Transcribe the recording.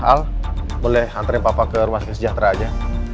al boleh hantarin papa ke rumah sejahat aja